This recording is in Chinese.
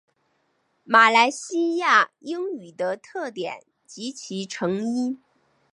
马来西亚英语的特点及其成因